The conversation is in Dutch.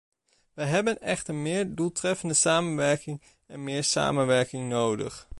Wij hebben echter meer doeltreffende samenwerking en meer samenwerking nodig.